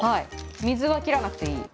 水は切らなくていい？